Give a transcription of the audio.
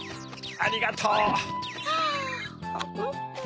ありがとう！